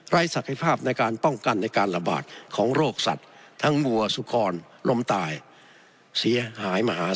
ศักยภาพในการป้องกันในการระบาดของโรคสัตว์ทั้งวัวสุคอนลมตายเสียหายมหา